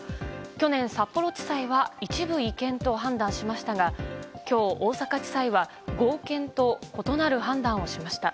去年、札幌地裁は一部違憲と判断しましたが今日、大阪地裁は合憲と異なる判断をしました。